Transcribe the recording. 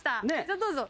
どうぞ。